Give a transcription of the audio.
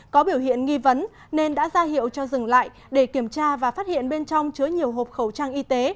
có biểu hiện nghi vấn nên đã ra hiệu cho dừng lại để kiểm tra và phát hiện bên trong chứa nhiều hộp khẩu trang y tế